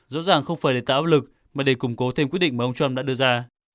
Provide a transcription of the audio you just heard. rõ ràng không phải để tạo lực mà để củng cố thêm quyết định mà ông trump đã đưa ra